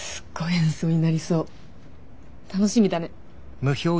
楽しみだね！